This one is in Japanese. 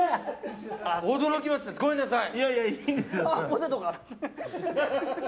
驚きました、ごめんなさい。